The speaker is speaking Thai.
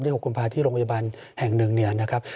๖กุมภาที่โรงพยาบาลแห่งหนึ่งเนี่ยนะครับ